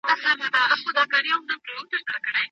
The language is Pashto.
دوهم لامل ټولنیزه بیا کتنه ده.